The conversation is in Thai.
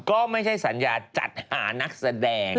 ก็ไม่ใช่สัญญาจัดหานักแสดง